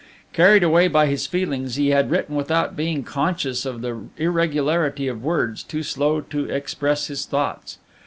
Carried away by his feelings, he had written without being conscious of the irregularity of words too slow to express his thoughts.